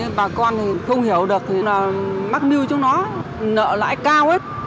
nên là bà con không hiểu được mắc mưu trong nó nợ lãi cao